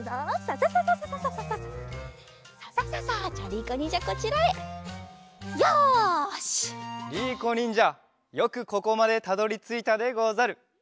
りいこにんじゃよくここまでたどりついたでござる。